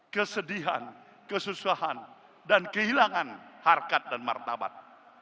kesedihan kesusahan dan kehilangan harkat dan martabat